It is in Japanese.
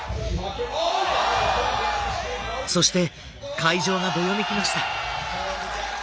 そして会場がどよめきました。